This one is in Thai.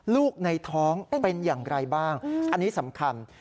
ลูกในท้องเป็นอย่างไรบ้างอันนี้สำคัญ